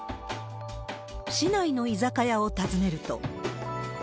市内の居酒屋を訪ねると。